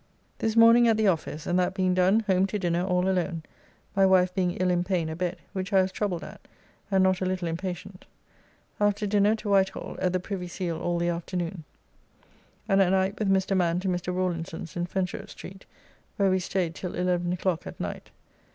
This morning at the office, and, that being done, home to dinner all alone, my wife being ill in pain a bed, which I was troubled at, and not a little impatient. After dinner to Whitehall at the Privy Seal all the afternoon, and at night with Mr. Man to Mr. Rawlinson's in Fenchurch Street, where we staid till eleven o'clock at night.